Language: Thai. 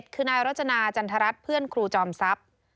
คือนายรจนาจันทรัศนเพื่อนครูจอมทรัพย์